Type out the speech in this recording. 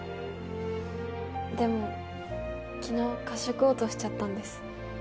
でも昨日過食嘔吐しちゃったんです。